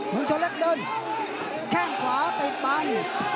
หุ่นโชแรกเดินแค้งขวาไปปัน